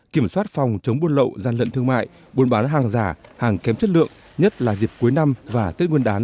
kiểm soát phòng chống buôn lậu gian lận thương mại buôn bán hàng giả hàng kém chất lượng nhất là dịp cuối năm và tết nguyên đán hai nghìn một mươi chín